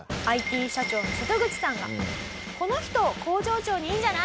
ＩＴ社長の瀬戸口さんが「この人工場長にいいんじゃない？」。